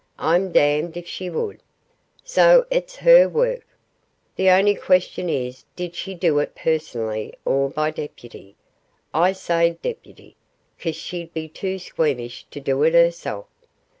I'm damned if she would. So it's her work. The only question is did she do it personally or by deputy. I say deputy, 'cause she'd be too squeamish to do it herself.